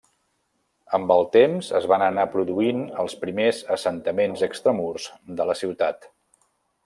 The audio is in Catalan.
Amb el temps es van anar produint els primers assentaments extramurs de la ciutat.